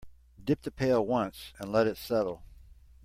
Dip the pail once and let it settle.